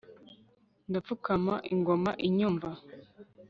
ndapfukama ingoma inyumva